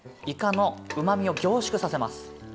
イカのうまみを凝縮させます。